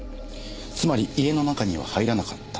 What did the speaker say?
つまり家の中には入らなかった。